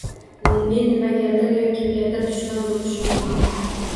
Men nimagadir yo kimgadir dushman boʻlishim mumkin